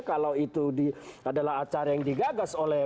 kalau itu adalah acara yang digagas oleh